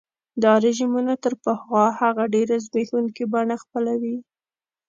دا رژیمونه تر پخوا هغه ډېره زبېښونکي بڼه خپلوي.